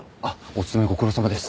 お勤めご苦労さまです。